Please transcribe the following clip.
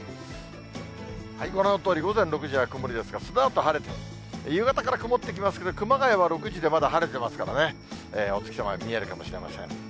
ご覧のとおり午前６時は曇りですが、そのあと晴れて、夕方から曇ってきますが、熊谷は６時でまだ晴れてますからね、お月様が見えるかもしれません。